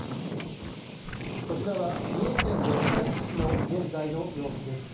こちらは三重県四日市市の現在の様子です。